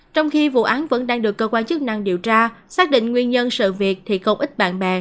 trong khi vụ án vẫn đang được cơ quan chức năng điều tra xác định nguyên nhân sự việc thì không ít bạn bè